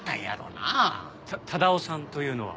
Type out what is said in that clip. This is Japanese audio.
た忠男さんというのは？